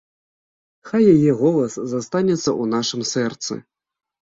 Хай яе голас застанецца ў нашым сэрцы.